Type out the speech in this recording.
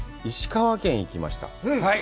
石川県へ行きました。